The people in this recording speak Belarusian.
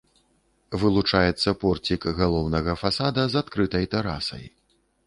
Вылучаецца порцік галоўнага фасада з адкрытай тэрасай.